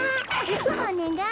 おねがい。